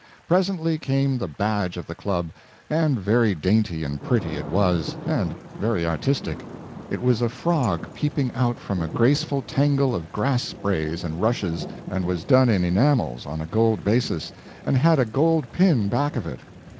Presently came the badge of the Club, and very dainty and pretty it was; and very artistic. It was a frog peeping out from a graceful tangle of grass sprays and rushes, and was done in enamels on a gold basis, and had a gold pin back of it.